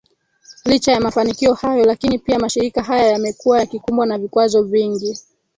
licha ya mafanikio hayo lakini pia mashirika haya yamekuwa yakikumbwa na vikwazo vingi